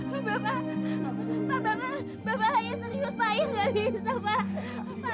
bapak bapak bapak ayah serius pak